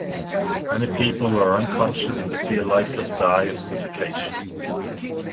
Many people who are unconscious and appear lifeless die of suffocation.